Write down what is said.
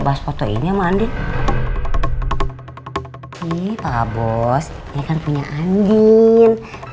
bahas foto itu di depan andin ya mengapa pak bos kok sih nggak boleh bahas foto ini